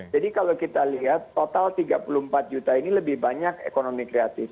jadi kalau kita lihat total tiga puluh empat juta ini lebih banyak ekonomi kreatif